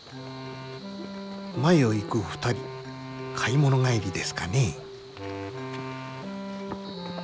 前を行く２人買い物帰りですかね。